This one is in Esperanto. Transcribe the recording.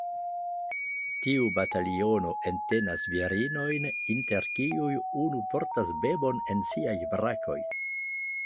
Tiu bataliono entenas virinojn inter kiuj unu portas bebon en siaj brakoj.